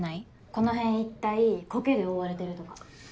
この辺一帯こけで覆われてるとか。